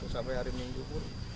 sampai hari minggu pun